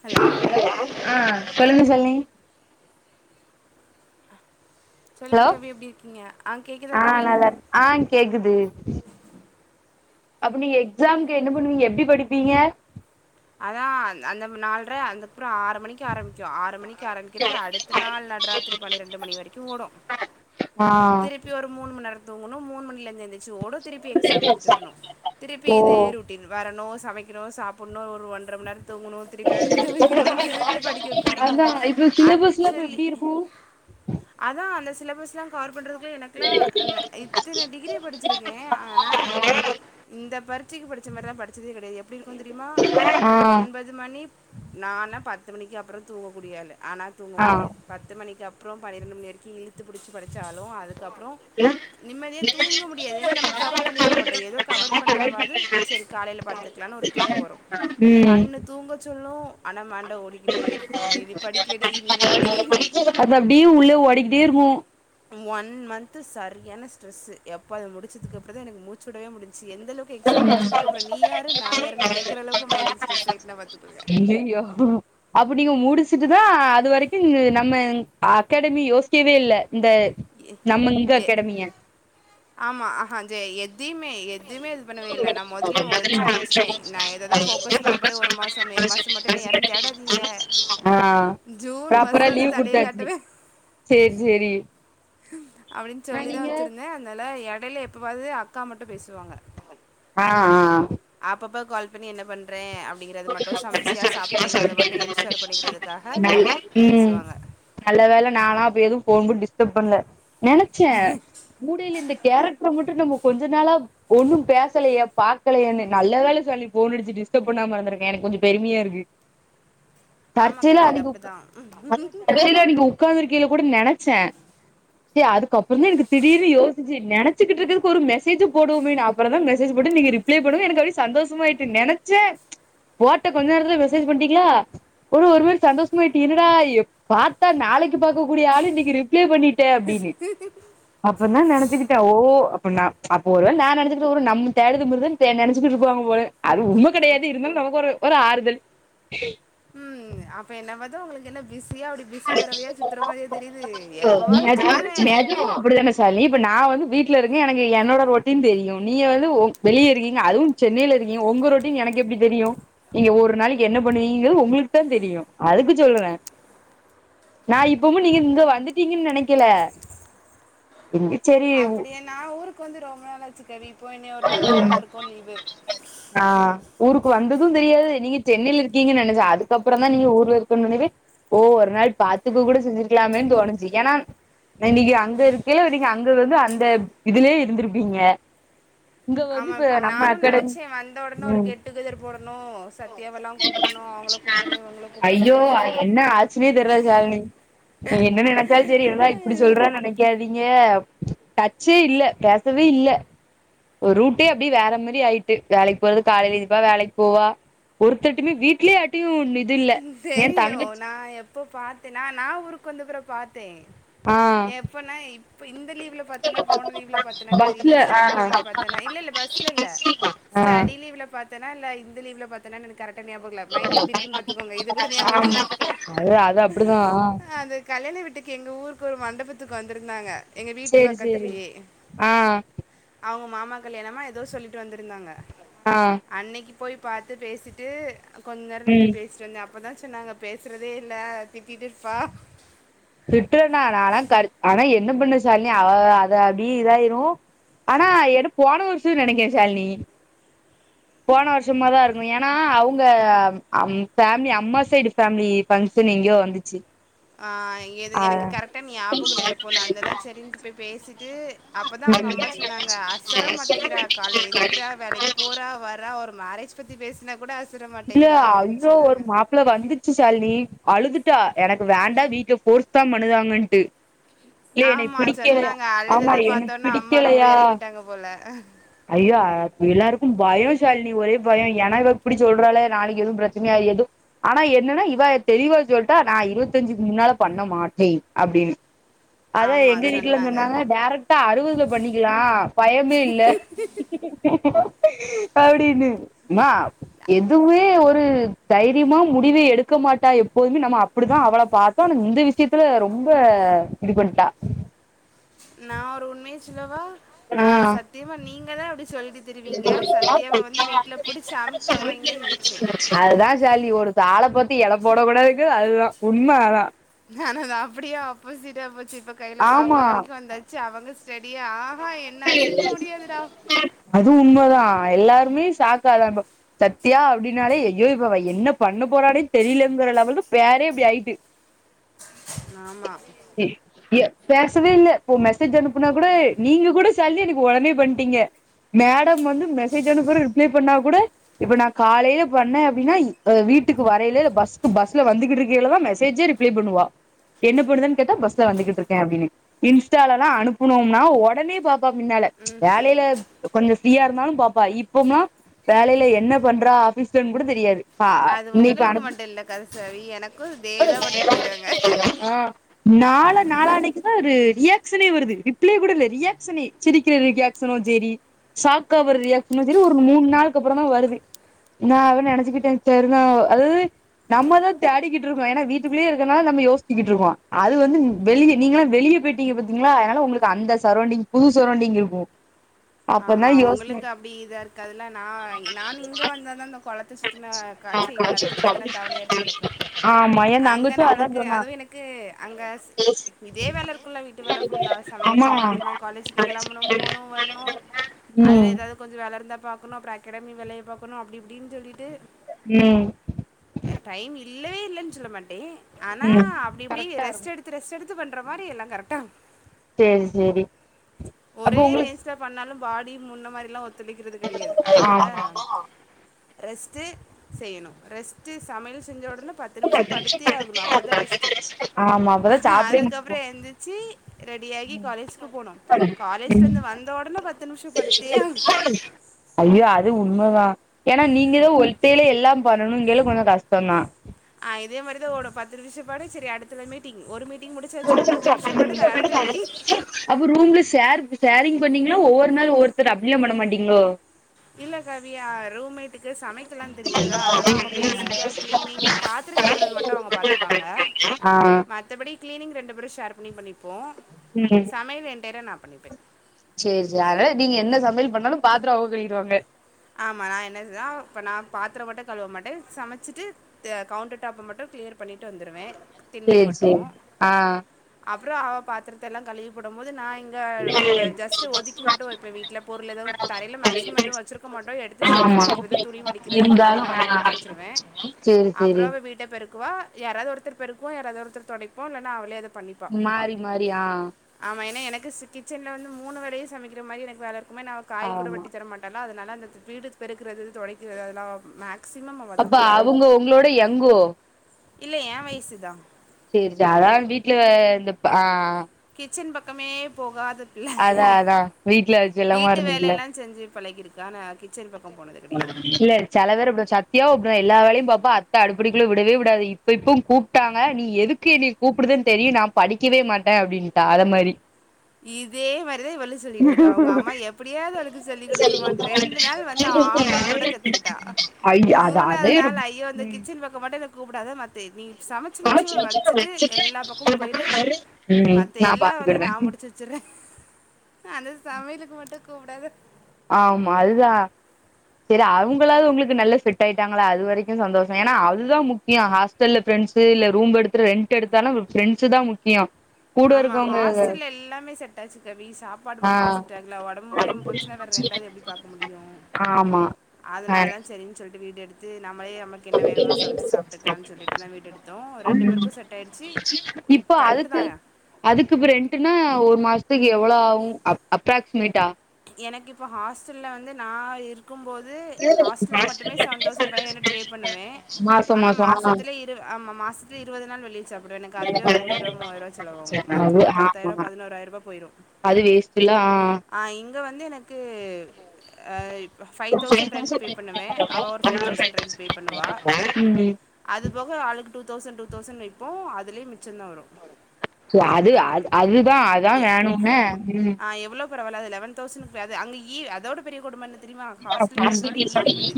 Hello ஆ சொல்லுங்க ஷால்னி சொல்லுங்க கவி எப்டி இருக்கிங்க ஆ கேக்குதா கவி நல்லா இருக் ஆ கேக்குது அப்டி நீங்க எக்ஸாம்க்கு என்ன பண்ணுவிங்க எப்டி படிப்பீங்க அதான் அந் அந்த நாள்ற அந்த அப்ற ஆறு மணிக்கு ஆரம்பிக்கு ஆறு மணிக்கு ஆரம்பிக்கிறது அடுத்த நாள் நடராத்திரி பனிரெண்டு மணி வரைக்கு ஓடு ஆ திருப்பி ஒரு மூண் மண் நேர தூங்கனு மூணு மணில எந்ரிச்சு ஓட திருப்பி எக்ஸாம் எழூதிட்டு வர்ணு திருப்பி ஓ இதே ரொட்டீன் வரணு சமைக்கணு சாப்பிடணு ஒரு ஒன்ற மண் நேர தூங்கணு திருப்பி துணி தொவைக்கணு திருப்பி படிக்க உக்காரணு அதா இப்ப சிலபஸ்லா இப்ப ஆக்சுலி எப்டி இருக்கு அதா அந்த சிலபஸ்லா கவர் பண்றதுக்கு எனக்கலா ந இத்தன டிகிரி படிச்சிருக்கே ஆனா இந்த பரிச்சைக்கு படிச்ச மாரிலா படிச்சதே கெடையாது எப்டி இருக்கு தெரியுமா ஆ ஒன்பது மணி நானா பத் மணிக்கு அப்ற தூங்க கூடியாளு ஆனா தூங்க ஆ முடியாது பத்து மணிக்கப்ற பனிரெண்டு மணி வரைக்கு இழுத்து புடிச்சு படி ச்சாலு அதுக்கப்ற நிம்மதியா தூங்க முடியாது ஏனா நம்ம கவர் பண்ணிருக்க மாட்டோ ஏதோ கவர் பண்ணாவாது செரி காலைல பாத்துக்லானு தூக்க வரு ம் கண்ணு தூங்கச் சொல்லு ஆனா மண்ட ஓடிகிட்டே இருக்கு நீ இனி படிக்கலடி நீ படிக்கலடி அது அப்டியே உள்ள ஓடிகிட்டே இருக்கு ஒன் மன்த்து சரியான ஸ்ட்ரெஸ்ஸு எப்ப அத முடிச்சதுக்கப்புற தா எனக்கு மூச்சுடவே முடிஞ் ச்சு எந்தளவுக்கு எக்ஸாம் முடிச்சதுக்கப்ற நீ யாரு நா யாருன் கேக்கற அளவுக்கு மைண்டுக்கு ஸ்ரெஸ் ஆயிட்னா பாத்துகோங்க ஒ ஹ அப் அப்ப நீங்க முடிச்சுட்டு தா அது வரைக்கு நம்ம அகாடமி யோசிக்கவே இல்ல இந்த எ நம்ம இங்க எ அகாடமிய ஆமா ஆஹா ஜ எதைமே எதுமே பண்ணவே இல்ல நா மொதலியே ஒ சொல்லி வச்ட்டே நா இததா போகஸ் பண்ண போற ஒரு மாசோ மே மாச மட்டு என்ன யாரு தேட டாதிங்க ஆ ஜூன் மாசோ வந்து தலைய காட்டுவே சேர் சேரி அப்டின்னு ஆ சொல்லிதா நீங்க வச்சிருந்தே அதனால எடையில எப்பவாது அக்கா மட்டு பேசு வாங்க ஆ ஆ அப்பப்ப கால் பண்ணி என்ன பண்றே அப் என்ஷூர் பண்ணிக்கிறதுக்காக [unintelligible] ன்னாதுபா ஹும் பேசுவாங்க நல்ல வேல நாளா அப்ப எதுவு போன்போட் டிஸ் டஃப்ன்ல நினைச்சே முடில இந்த கேரக்டர மட்டு நம்மோ கொஞ்ச நாளா ஒன்னு பேசலயே பாக்கலயேன்னு நல்ல வேல சொல்லி போன் அடிச்சு டிஸ்டர்ப் பண்ணாம இருந்தருக் எனக்கு கொஞ்ச பெருமையா இருக்கு ஆமா கவி அது அப்டிதா அதே வழியில அன்னிக் உட்கார்ந்துருக்கேயில கூட நெனைச்சே செரி அதுக்கப்புற தா எனக்கு திடீர்னு யோசிச்சு நெனச்சிட்டுருக்குரதுக்கு ஒரு மெசேஜ போடுவோமேனு அப்புற தா மெசேஜ போட்டு நீ ரிப்ளே பண்ணது எனக்கு அப்டியே சந்தோஷமாயிட்டு நெனைச்சே போட்ட கொஞ்ச நேரத்தில மெசேஜ் பன்டிங்ளா ஒரு ஒரு மாரி சந்தோஷமாயிட்டு என்னடா எப் பாத்தா நாளைக்கு பாக்ககூடிய ஆளு இன்னைக்கு ரிப்ளே பண்ணி கே அப்டின்னு அப்பதா நெனச்சுக்கிட் ட ஓ அப்புன்னா அப்போ ஒருவேல நா நெனைச்சிகிட்டு நம் தேட்னக்பிருகுதா தே நெனச்சிகிட்டு இருபாங்க போல அது உண்ம கெடையாது இருந்தாலு நமக்கு ஒரு ஒரு ஆறுதல் அப்ப என்ன பாத்தா உங்களுக்கென்ன பிஸ் பிரியா அப்டி பிஸி பறவையா சுத்துற மாரிய தெரியுது எப்பவாது நிஜமா சுத்துவே நிஜமா அப்படிதானே சாலினி இப்ப நா வீட்ல இருக்க எனக்கு என்னோட ரொட்டின் தெரியு நீங்க வந்து உங் வெளியே இருக்கீங்க அதுவு சென்னையில இருக்கீங்க உங்க ரொட்டின் எனக்கு எப்டி தெரியு நீங்க ஒரு நாளைக்கு என்ன பண்ணுவீங்கிறது உங்களுக்கு தா தெரியு அதுக்கு சொல்றே நா இப்பும் நீங்க இங்க வந்துட்டீங்கன்னு நெனைக்கல ங்குச் செரி உ க்கு வந்து ரொம்ப நாள் ஆச்சுக்கவி இப்போ இன்னியோட பத்து நாள் ருக்கோ லீவு ஆ ஊருக்கு வந்தது தெரியாது நீங்க சென்னில இருக்கீங்கன்னு நெனைச்ச அதுக்கப்புற தா நீங்க ஊர்ல இருக்கன் னொன்னவே ஓ அதனா ல் பாத்துக்க கூட செஞ்சுக்கலாமேன் தோணுச்சு ஏனா இன்னைக்கு அங்க இருக்கைய்லே நீங்க அங்கருந்து அந்த இதுலே இருந்திருப்பீங்க இங்க வந்து ஆமா இப்ப நம்ம நானு அகாடமி நினைச்சே வந்த உடனே ஒரு ம் கெட் டு கெதர் போடணு சத்தியாவெல்லா கூப்பிடணு ஐயோ என்ன ஆச்சினே தெர்ல சாலினி நீ என்ன நெனைச்சால் சேரி என்னடா இப்டி சொல்ற நெனைக்காதீங்க டச்சேயில்ல பேசவேயில்ல ஒரு ரூட்டே அப்டி வேற மாரி ஆயிட்டு வேலைக்கு போறது காலைல எந்திப்பா வேலைக்கு போவா ஒருத்தட்டுமே வீட்லயே யார்டியு தெரியு நா எப்போ பார்த்தேன்னா நா ஊருக்கு வந்துக்குறப் பாத் தே ஆ எப்பனா இப்ப இந்த லீவ் வ்ள பாத்தனா போன லீவ்ல பாத்தனா தெரியல பஸ்ல ஆ ஸடி ஆ லீவ்ல பாத்தனா இல்ல இல்ல பஸ்ட்ல இல்ல ஸ்டடி லீவுல பாத்தனா இல்ல இந்த லீவுல பாத்தனான் எனக் கரெக்டா ஞாபகல்ல மைண்டு எப்டி இருக்குன் பாத்துக் ஆமா அது அது அப்டிதா ல வீட்டுக்கு எங்க ஊருக்கு ஒரு மண்டபத்துக்கு வந்திருந்தாங்க எங்க வீட்டு சேரி சேரி பக்கத்துலயே ஆ அவுங்க மாமா கல்யாணமா ஏதோ சொல்லி ட்டு வந்திருந்தாங்க ஆ அன்னைக்கு போய் பார்த்து பேசிட்டு கொஞ்ச நேரோ நின்னு ம் பேசிட்டு வந்த அப்பதா சொன்னாங்க பேசுறதே இல்ல திட்டிட்டுருப்பா திட்ரனா நாள கருத் ஆனா என்ன பண்ண சாலினி அவவ அது அப்டியே இதாயிரு ஆனா எனூ போன வருஷோன்னு நெனைக்கற சாலினி போன வருஷமா தா இருக்கு ஏனா அவுங்க அவ்ங் ஃபேமிலி அம்மா சைடு ஃபேமிலி பங்க்ஷன் எங் யோ வந்துச்சு ஆஹ் எது எனக்கு கரெக்டா ஞாபகுல்ல எப்போண்ணு அந்தெல்லா சரின்னுட்டு போய் பேசிட்டு அப்பதா வுங்க அம்மா சொன்னாங்க அசர மாட்டேங்கிறா காலையில ஆ எந்திக்கிறா வேலைக்கு போறா வர்ரா ஒரு மேரேஜ் பத்தி பேசினா கூட அஸ் இல்ல அவ்ளோ ஒரு மாப்ள வந்துச்சு சாலினி அழுதுட்டா எனக்கு வேண்டா வீட்டல போர்ஸ் தான் பண்ணுதாங்கன்ட்டு இல என்னை ஆமாம் பிடிக்கலையா சொன்னாங்க ஆமா அழுதது எனக் பார்த்தோன்னா அம்மா ரொம்ப பிடிக்கலையா இறங்கிட்டாங்க போல் ஐயோ அ எல்லாருக்கும் பய ஷால்னி ஒரே பய எனக் இவ புடிச் சொல்றாலே நாளைக்கு எதும் பிரச்சனையாயி எதும் ஆனா என்னனா இவ தெளிவா சொல்ட்டா நா இருவத்திஞ்சிக்கு முன்னாலப் பண்ண மாட்டேன் அப்டினு அதா எங்க வீட்ல சொன்னாங்க டேரெக்ட்டா அறுவுதுல பண்ணிக்கலா பயமே இல்ல அப்டினு மா எதுமே ஒரு தைரியமா முடிவு எடுக்க மாட்டா எப்போதுமே நம்ம அப்டிதா அவள பாத்தோ ஆனா இந்த‌ விசியத்துல ரொம்ப இது பண்ட்டா நா ஒரு உண்மைய சொல்லவா நா ஆ சத்தியமா நீங்கதா அப்டி சொல்லிட்த் [unintelligible] அமுக்கிருவாய்ங்கன்னு நெனச்சேன். அதுதா ஷால்னி ஒரு தா ஆள பாத்து எட போட கூடாதுங்க அதுதா உண்ம அதா ஆனா அது அப்படியே ஆப்போசிட்டா போச்சு. இப்ப கைல பாப்பா ஆமா வரைக்கு வந்தாச்சு அவங்கஸ் [unintelligible] அது உண்மதா அ எல்லாருமே ஷாக்காதா இப சத்தியா அப்டின்னாலே ஐயோ இப்ப அவ என்னப் பண்ண போறானே தெரிலம்பா ங்கற லெவல்து பேரே இப்டி ஆயிட்டு ஆமா. இ ஏ பேசவே இல்ல இப்போ மெசேஜ் அனுப்புனா கூட நீங்க கூட ஷால்னி எனக்கு ஒடனே பண்டிங்க மேடம் வந்து மெசேஜ் அனுப்புற ரிப்ளை பண்ணா கூட இப்ப நா காலைல பண்ணே அப்டினா இ எ வீட் வீட்டுக்கு வரைல இல்ல பஸ்சுக்கு பஸ்ல வந்துகிட்டு இருக்கைலதா மெசேஜே ரிப்ளை பண்ணுவா என்ன பண்ணுதன் கேட்டா பஸ்ல வந்துகிட்ருக்கே அப்டினு இன்ஸ்டாலலா அனுப்புனும்னா ஒட் ஒடனே பாப்பா மின்னால வேலைலப் கொஞ்ச ஃப்ரீயா இருந்தாலு பாப்பா இப்போம்லா வேலைல என்ன பண்றா ஆபீஸ்லன் கூட தெரியாது பா அது இன்னைக்கு உங்களுக்கு அனுப் மட்டு இல்ல கருசாவி எனக்கு இதேதா பண்ணிட்ருக்காங்க நாலு நாளானைக்குதா ஒரு ரியாக்க்ஷனே வருது ரிப்ளை கூட ‌இல்ல ரியாக் செனி சிரிக்கிற ரியாக்க்ஷனுஞ் செரி ஷாக்கா வரு ரியாக்ஷனு செரி ஒரு மூன் நாள்க்கப்புறந்தா வருது நா அவ நெனச்சுக்கிட்டே தெருநா அது நம்மதா தேடிகிட்ருக்கோ ஏனா வீட்டுக்குல்லியே இருக்கனால நம்ம யோஸ்ச்சிகிட்ருக்கோ அது வந்து வெளிய நீங்கள வெளிய போய்ட்டீங்க பாத்தீங்ளா அதனால உங்களுக்கு அந்த சரௌண்டிங் புது சரௌண்டிங் இருக்கு அப்பதா ஆமா யோசன உங்களுக்கு அப்டி இதா இருக்காதுல்ல நா நானு இங்க வந்தாதா இந்த கொளத்த சுத்தின காச்சி கெணத்த சுத்துன தவளையாட்ட கெடப்பே ஆமா ஏ அங்க தங்கச்சு அதா நம்மளுக்கு சொன்னா அதுவு எனக்கு அங்கஸ் இதே வேல இருக்குல்ல வீட்டு வேல ஃபுல்லா ஆமா சமைக்கிணு வைக்கிணு காலேஜு கிளம்பனு போனு வரணு அதுல ம் ஏதாவது கொஞ்ச வேலருந்தாப் பாக்கணு அப்ற அக்கேடமி வேலய பாக்கணு அப்டி இப்டின் சொல்லிட்டு உம் டைம் இல்லவே இல்லன் சொல்ல மாட்டே ஆனா அப்டி இப்டி கரெக்டா ரெஸ்ட் இருக்கு எடுத்து ரெஸ்ட் எடுத் த்து பண்ற மாரி எல்லா கரெட்டார் சேரி சேரி அப்போ ஒரே உங்களுக்கு ரேஞ்ச்ல பண்ணாலு பாடி முன்ன மாறிலா ஒத் துழைக்கிறது கெடையாது அதனால ஆமா ரெஸ் த்து செய்யணு ரெஸ்ட்டு சமையல் செஞ்ச ஒடனப் பத்து நிம்ஷ படுத்தே ஆகணு அப்பதா ரெஸ்ட்டு ஆமா அப்பதா சாப்டே அதுக்கப்புற முடியு எந்திச்சி ரெடியாகி காலேஜுக்கு போனு உம் படுத்தே ஆகணும் ஐயோ அது உண்மதா ஏனா நீங்கதா ஒத்தையில எல்லாம் பண்ணணுங்கைல கொஞ்ச கஷ்டந்தா ஆ இதே மாறிதா ஓடு பத்து நிமிஷ படு செரி அடுத்துல மீட்டிங் ஒரு மீட் [unintelligible] அப்ப ரூம்ல‌ சேர் சேரிங் பண்ணீங்ளா ஒவ்வொரு நாள் ஒவ்வொருத்தர் அப்டிலா பண்ண மாட்டீங்ளோ இல்ல கவியா ஆ ரூமெட் எனக்கு சமைக்கல்லா தெரியாதா அந்தால அவுங்க பேசிக்கா கிளீனிங் பாத்துர கழுவுறது மட்டு அவுங்க பாத்துப்பாங்க ஆ மத்தபடி கிளீனிங் ரெண்டு பேரு ஷேர் பண்ணி பண்ணிப்போ ம் சமையல் என்டயரா நா பண்ணிப்பே சேரி சேரி அதாது நீங்க என்ன சமையல் பண்ணாலு பாத்துர அவுங்க கழுவிருவாங்க ஆமா நான் மே சமைச்சிட்டு த கவுண்டர் டாப் மட்டு கிளியர் பண்ணிட்டு வந்துருவே சேரி சேரி ஆ அப்ற அவ பாத்திரத்தல்லா கழுவி போடும் போது நா இ ங்க வ ஜஸ்ட்டு ஒதுக்கி மட்டு வெப்ப வீட்ல பொருள் எதாது தரையில மேக்சிம எதுவு வச்சிருக்க மாட்டோ எடுத்து செல்ஃப்ல ஆமா வெக்கிறது துணி மடிக்கிறது இந்த இருந்தாலு மாரியான வேலைய பாத்து வச்சிருவே சேரி அப்புற சேரி அவ வீட்ட பெ ருக்குவா யாராது ஒருத்தர் பெருக்குவா யாராவது ஒருத்தர் தொடைப்போ இல்லனா அவளே அத பண்ணிப்பா மாறி மாறி ஆ ஆமா ஏன்னா எனக் கஸு கிச்சன்ல வந்து மூணு வேளையு சமைக்கிற மாரி எனக்கு வேல இருக்குமா நா அவ காய் கூட ஆமா வெட்டி தர மாட்டாளா அத தனால அந்த வீடு பெருக்குறது தொடைக்கிறது அதல்லா அவ மேக் அப்போ அவுங்க உங்களோட எங்கோ இல்ல ஏ வயசுதா சேரி சேரி அதால வீட்ல இந்த ஆ ஆ கிச்சன் பக்கமே போகாது அதா அதா வீட்ல செல்லமா இருந்துட்ல்ல பழகிருக்கா ஆனா கிச்சன் பக் இல்ல செல பேர் அப்டிதா சத்தியாவு அப்டிதா எல்லா வேலையு‌ பாப் ப்பா அத்த அடுப்படிக்குள்ள விடவே விடாது இப்போ இப்பம் கூப்ட்டாங்க நீ எதுக்கு என்னைய கூப்டுத தெரியு நா படிக்கவே க்க மாட்ட அப்டின்னுட்டா அத மாரி இதே மேரிதா இவளு சொல்லிட்ருக்கா அவுங்க அம்மா எப்டியாது அவளுக்கு சொல்லிக் குடுத்துரும்மா ரெண்டு நாள் வந்து ஆ ஆம்லெட் போட கத்துக்கிட்டா ஐ அது மூணாவது அதே நாள் ஐயோ இந்த கிச்சன் பக்க மட்டு என்ன கூப்புடாத த்தே நீங்க சமச்சு வச்சவ வச்சுட்டு எல்லா பக்கமு போயி்ரு ம் மத்த நா எல்லா வேலையு பாத்துக்கிடுவே நா முடிச்சு வச்சுர்ற அந்த சமையலுக்கு மட்டு கூப்டாத ஆமா அதுதா சரி அவுங்களாவது உங்களுக்கு நல்ல ஃபிட் ஆயிட்டாங்களா அது வரைக்கு சந்தோஷ ஏன்னா அதுதா முக்கிய ஹாஸ்டல்ல ப்ரெ ண்ட்ஸு இல்ல ரூம் எடுத்து ரெண்ட் எடுத்தாலு ஃப்ரெண்ட்ஸு தா முக்கியம் ஆமா ஹாஸ்டல்ல எல்லாமே செட்டாச்சு கவி சாப்பாடு ஆ மட்டுந்தா செட்டாகல ஒடம்பு முடியாம போச்சுன்னா வேற ரெண்டாது எப்டி பாக்க முடியு ஆமா ஆ வீடு எடுத்து நம்மளே நமக்கு என்ன வேணுமோ சமச்சு சாப்ட்டுக்கலான்னு சொல்லிட்டுதா வீடு எடுத்தோ ரெண்டு பேருக்கு செட் ஆயிடுச்சு இப் அப்போ கரெக்டு அதுக்கு தான் அதுக்கு இப்ப ரெண்ட்டுனா ஒரு மாசத்துக்கு எவ்ளோ ஆவு அப்ராக்சிமேட்டா எனக்கு இப்ப ஹாஸ்டல்ல வந்து நா இரு க்கும் போது ஹாஸ்டலுக்கு மட்டுமே seven thousand five hundred pay பண்ணுவே மாசோ ஆனா மாசோ ஆ மாசத்துல இருவ ஆமா மாசத்துல இருவது நாள் வெளிய சாப்டுவ எனக்கு அதுவே ஒரு ரெண்டாயிரூவா மூவாயிரூவா செலவாகு அது மொத்தமா ஒரு பத்தாயிரூவா ஆமா பதினோறா ரூபா போயிரு அது வேஸ்ட்டுல்ல ஆ அது வந்து எனக்கு ஆ [inaudible] அவள் ஒரு ஃபைவ் தௌசண்ட் ரெண்ட் பே பண்ணுவாள் ம் அது போக ஆளுக்கு டூ தௌசண்ட் டூ தௌசண்ட் வெப்போ அதுலயு சேர் அது அ அதுதா அதா வேணுமே ம் பரவால்ல அது லெவன் தௌசணுங்கிறது அங்க இ அதோட பெரிய கொடும என்ன தெரியுமா ஹாஸ்டல் ஃபீஸோட இ பி பில்லு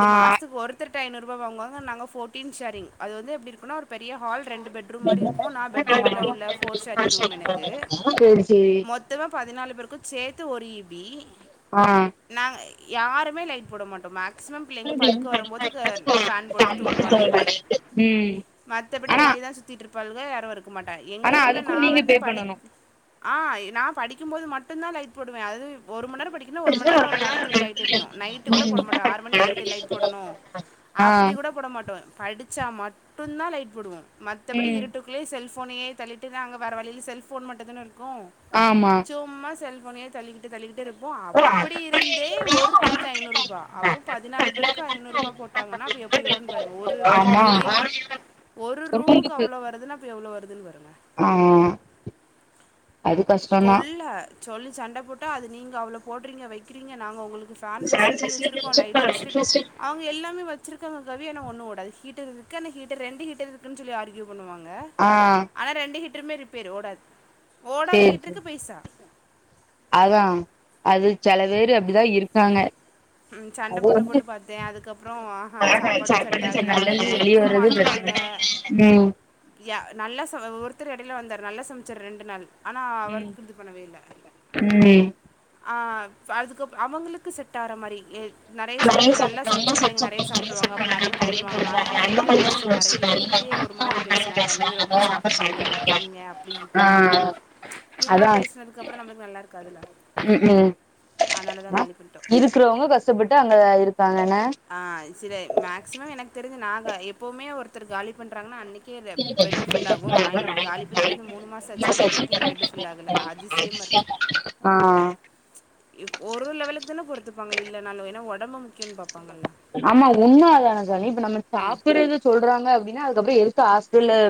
ஆ மாசத்துக்கு ஒருத்தருக் ட்ட ஐநூறுபா வாங்குவாங்க நாங்க ஃபோர்ட்டீன் சாரிங் அது வந்து எப்டி இருக்குன்னா ஒரு பெரிய ஹால் ரெண்டு பெட்ரூம் மாரி இருக்கு நா பெட்ரூம்ல உள்ள ஃபோர்சா ரிங் ரூம் எனக்கு சேரி சேரி மொத்தமா பதினாலு பேருக்கு சேத்து ஒரு இ பி ஆ யாருமே லைட் போட மாட்டோ மேக் க்ஸிமம் பிள்ளைங்க படுக்க வரம்போது ஃபேன் போட்டு தூங்குவா நைட்டு ம் மத்தபடி ஆனா வெளியதா சுத்திட்டு இருப்பாளுக யாரு இருக்க மாட்டாங்க எங்க ஆனா ரூம்ல நா அதுக்கு நீங்க வந்து பே படிக் பண்ணணு ஆ நா படிக்கும்போது மட்டுந்தா லைட் போடுவ அது ஒரு மண் நேர படிக்கன்னா ஒரு மணிநேரந்தா ஒரு நேரத்துக்கு லைட் எரியு நைட் கூட போட மாட்டாங்க ஆறு மணி ஆயிடுச்சு லைட் போடணு ஆ அப்டி கூட போட மாட்டோ படிச்சா மட்டுந்தா லைட் போடுவோ மத்தபடி ம் இருட்டுக்குள்ளே செல்ஃபோனையே தள்ளிட் டுதா அங்க வேற வழியில்ல செல்ஃபோன் மட்டு தானே இருக்கு ஆமா சும்மா செல்ஃபோனயே தள்ளிக்கிட் ள்ளிகிட்டு தள்ளிக்கிட்டு இருப்போ அப்பிடி இருந்தே ஒருத்தருக்கு ஐநூறு ரூபா அப்போ பதினாலு பேருக்கு ஐநூறு ரூபா போ போட்டாங்கன்னா அப்ப எப்டி வரும்னு பாருங்க ஒரு வீட் ஆமா ஒரு யூ ஒரு ரூமுக்கு அவ்ளோ வருதுன்னா அப்ப எவ்ளோ வருதுன்னு பாருங்க ஆ அது கஷ்டந்தா கொள்ள சொல்லி சண்ட போட்டா அது நீங்க அவ்ளோ போடுறீங்க வைக்கிறீங்க நாங்க உங்களுக் ஃபேன் ஃபெசிலிட்டி வச்சிருக்கோ லைட் ஃபெசிலிட்டி அவுங்க எல்லாமே வச்சிருக் ங்கவி ஒண்ணு ஓடாது ஹீட்டர் இருக்கு ஆனா ஹீட்டர் ரெண்டு ஹீட்டர் இருக்குன்னு சொல்லி ஆர்க்யூ பண்ணுவாங்க ஆ ஆனா ரெண்டு ஹீட்டருமே ரிப்பேர் ஓடாது ஓடாத சேரி சேரி ஹீட்டருக்கு பைசா அதா அது செல பேரு அப்டிதா இருக்காங்க ம் சண்ட அது போட்டு வந்து போட்டு பாத்தே அதுக்கப்றோ அஹா சாப்பாடு செட் ஆகல குக்கு மாத்த உம் ய நல்லா ச ஒருத்தர் எடையில வந்தாரு நல்லா சமைச்சாரு ரெண்டு நாள் ஆனா ம் ஒர்க் இது பண்ணவே இல்ல ம் ஆஹ் [unintelligible] அவங்களுக்கு செட்டாகற மாறி ஏ நெறைய சமை நல்லா சமச்சா பிள்ளைங்க நெறையா சாப்டுருவாங்க அப்போ நெறைய பொருள் வாங்கணு அந்த மாரில்லா யோசிச்சு நெறைய எங்ககிட்டயே யே ஒரு மாதிரி பேசனாங்க நீங்க ரொம்ப சாப்பிடுறீங்க வைக்கிறீங்க அப்டி ஆ இப்டின்னு இவ்ளோ பேசுனதுக்கப்பறோ நம்மளுக்கு நல்லா இருக்காதுல்ல உம் அதனால தான் உம் காலி பண்ணிட்டோம் இருக்கறவங்க கஷ்டப்பட்டு அங்க இருக் ஆஹ் சிரே மேக்சிமம் எனக்கு தெரிஞ்சது நாங்க எப்பவுமே ஒருத்தர் காலி பண்றாங்கன்னா அன்னைக் கேளு பெட் ஃபுல் ஆகு நா இந் காலி பண்ணிட்டு வந்து மூணு மாசோ ஆச்சு இன்னைக்கு வரிக்கு ஏ பெட் ஃபுல் ஆகல அதிசியமா ஆஹ் ஒரு லெவலுக்கு தான பொறுத்துப்பாங்க இல்லன்னாலு ஏன்னா ஒத் ஆமா ஒண்ணு அதானங்கனி இப்ப நம்ம சாப்புடுறத சொல்றாங்க அப்டின்னா அது கப்றோ எதுக்கு ஆஸ்டல்ல